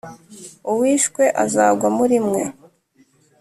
Uwishwe azagwa muri mwe